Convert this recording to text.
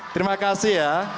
terima kasih ya